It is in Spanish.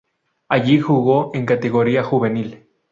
Allí jugó en categoría juvenil.